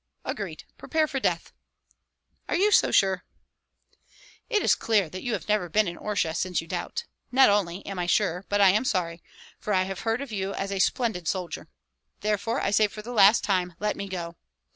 "Agreed! Prepare for death." "Are you so sure?" "It is clear that you have never been in Orsha, since you doubt. Not only am I sure, but I am sorry, for I have heard of you as a splendid soldier. Therefore I say for the last time, let me go!